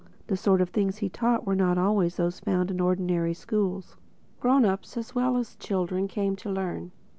The sort of things he taught were not always those you find in ordinary schools. Grown ups as well as children came to learn.